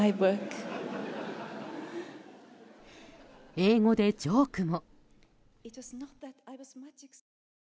英語でジョークも。